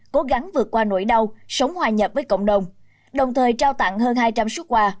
cố gắng vượt qua nỗi đau sống hòa nhập với cộng đồng đồng thời trao tặng hơn hai trăm linh xuất quà